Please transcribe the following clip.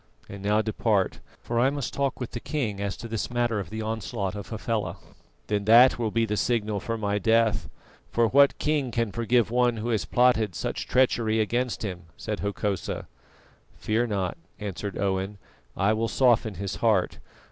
And now depart, for I must talk with the king as to this matter of the onslaught of Hafela." "Then, that will be the signal for my death, for what king can forgive one who has plotted such treachery against him?" said Hokosa. "Fear not," answered Owen, "I will soften his heart.